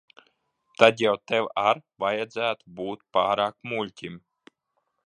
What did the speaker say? Tad jau tev ar vajadzētu būt pārāk muļķim.